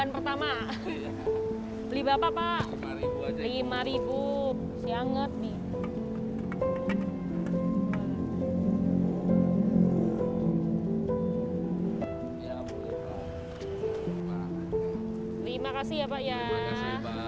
terima kasih pak